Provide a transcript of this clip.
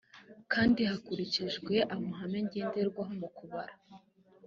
kandi hakurikijwe amahame ngenderwaho mu kubara